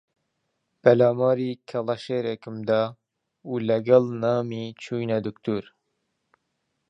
پەلاماری کەڵەشێرێکم دا و لەگەڵ نامی چووینە دکتۆر